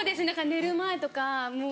寝る前とかもう。